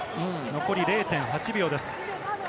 残り０．８秒です。